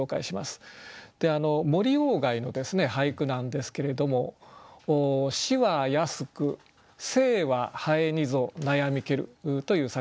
森鴎外の俳句なんですけれども「死は易く生は蠅にぞ悩みける」という作品です。